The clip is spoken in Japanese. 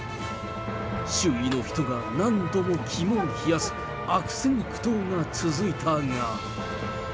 周囲の人が何度も肝を冷やす、悪戦苦闘が続いたが。